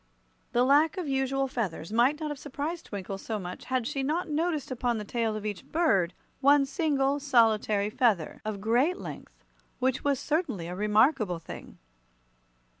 The lack of usual feathers might not have surprised Twinkle so much had she not noticed upon the tail of each bird one single, solitary feather of great length, which was certainly a remarkable thing.